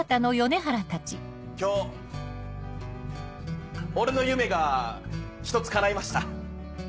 今日俺の夢が１つかないました。